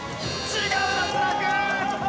違う。